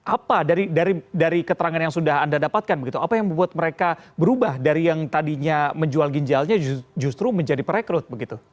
apa dari keterangan yang sudah anda dapatkan begitu apa yang membuat mereka berubah dari yang tadinya menjual ginjalnya justru menjadi perekrut begitu